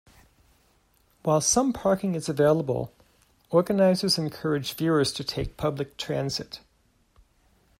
While some parking is available, organizers encourage viewers to take public transit.